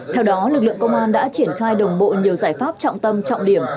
theo đó lực lượng công an đã triển khai đồng bộ nhiều giải pháp trọng tâm trọng điểm